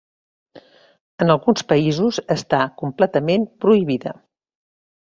En alguns països està completament prohibida.